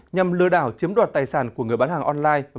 nhằm lừa đảo chiếm đoạt tài sản của người bán hàng online